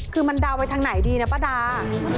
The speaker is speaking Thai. คือมันดาวไปทางไหนดีนะป้าดา